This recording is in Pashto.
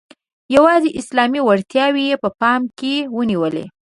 یوازي اسلامي وړتیاوې یې په پام کې ونیولې.